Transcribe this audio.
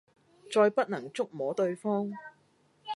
再不能觸摸對方